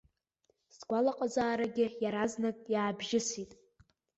Сгәалаҟазаарагьы иаразнак иаабжьысит.